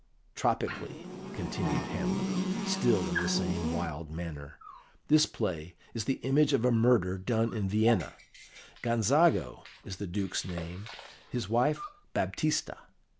Tropically," continued Hamlet, still in the same wild manner. "This play is the image of a murder done in Vienna; Gonzago is the Duke's name, his wife Baptista.